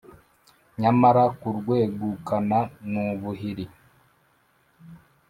Nyamara kurwegukana nubuhiri